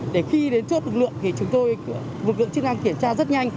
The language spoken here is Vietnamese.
để khi đến chốt lực lượng thì chúng tôi vực lượng chức năng kiểm soát rất nhanh